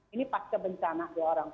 ini pasca bencana dua orang